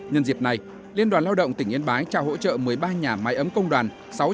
nhân dịp này liên đoàn lao động tỉnh yên bái trao hỗ trợ một mươi ba nhà máy ấm công đoàn